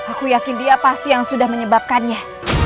aku yakin dia pasti yang sudah menyebabkannya